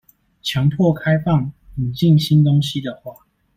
強迫開放、引進新東西的話